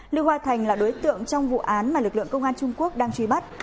lưu hoa thành là đối tượng trong vụ án mà lực lượng công an trung quốc đang truy bắt